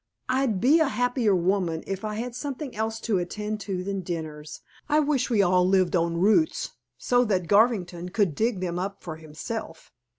"I'd be a happier woman if I had something else to attend to than dinners. I wish we all lived on roots, so that Garvington could dig them up for himself."